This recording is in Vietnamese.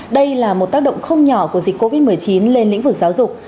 đây là một tác động không nhỏ của dịch covid một mươi chín lên lĩnh vực giáo dục